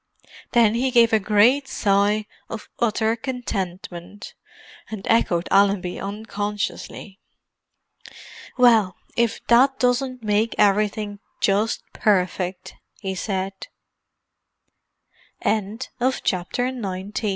Then he gave a great sigh of utter contentment, and echoed Allenby unconsciously. "Well, if that doesn't make everything just perfect!" he said. CHAPTER XX ALL CLEAR "Kiddie, are yo